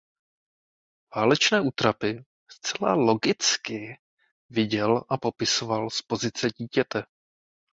Válečné útrapy zcela logicky viděl a popisoval z pozice dítěte.